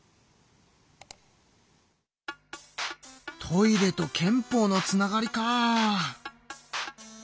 トイレと憲法のつながりか。